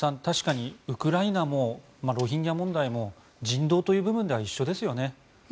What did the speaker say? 確かにウクライナもロヒンギャ問題も人道という部分では一緒ですよね。